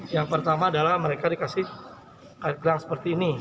yang pertama adalah mereka dikasih gelang seperti ini